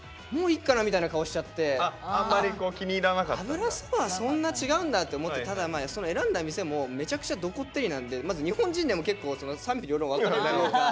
油そばはそんな違うんだって思ってただ選んだ店もめちゃくちゃドこってりなんでまず日本人でも結構賛否両論分かれるというか。